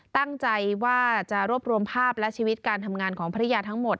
ตั้งใจว่าจะรวบรวมภาพและชีวิตการทำงานของภรรยาทั้งหมด